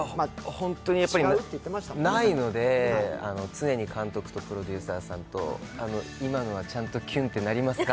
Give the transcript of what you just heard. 本当に、ないので、常に監督とプロデューサーさんと今のはちゃんとキュンってなりますか？